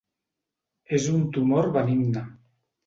És un tumor benigne.